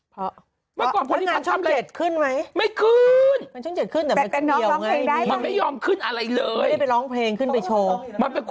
เพราะงานช่อง๗ขึ้นไหมไม่ขึ้น